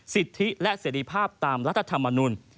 สิทธิและเสรีภาพตามรัฐธรรมนุน